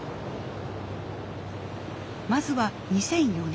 まずは２００４年。